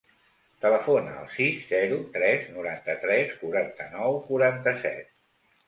Telefona al sis, zero, tres, noranta-tres, quaranta-nou, quaranta-set.